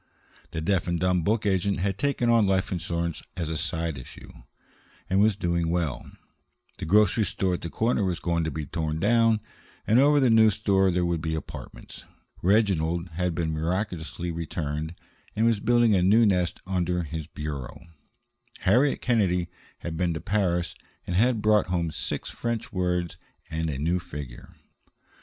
The deaf and dumb book agent had taken on life insurance as a side issue, and was doing well; the grocery store at the corner was going to be torn down, and over the new store there were to be apartments; Reginald had been miraculously returned, and was building a new nest under his bureau; Harriet Kennedy had been to Paris, and had brought home six French words and a new figure.